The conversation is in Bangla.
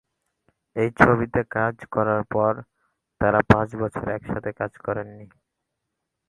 এই ছবিতে কাজ করার পর তারা পাঁচ বছর একসাথে কাজ করেন নি।